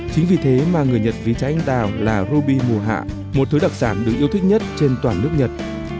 chính vì thế mà người nhật ví trái anh đào là ruby mùa hạ một thứ đặc sản được yêu thích nhất trên toàn nước nhật